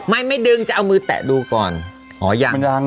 ไม่ไม่ดึงจะเอามือแตะดูก่อน